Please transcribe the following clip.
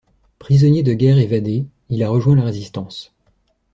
Prisonnier de guerre évadé, il a rejoint la résistance.